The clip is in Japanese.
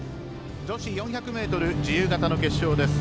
女子４００ｍ自由形の決勝です。